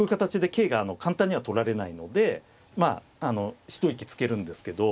桂が簡単には取られないのでまあ一息つけるんですけど。